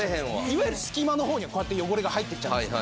いわゆる隙間の方にはこうやって汚れが入っていっちゃうんです。